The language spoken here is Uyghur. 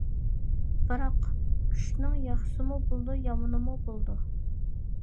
بىراق كۈچنىڭ ياخشىسىمۇ بولىدۇ، يامىنىمۇ بولىدۇ.